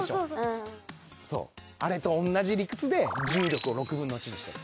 あれと同じ理屈で重力を６分の１にしてる。